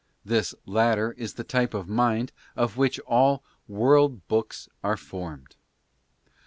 This latter is the type of mind of which all i; world books" are formed.